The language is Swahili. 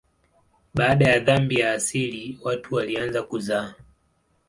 Baada ya dhambi ya asili watu walianza kuzaa.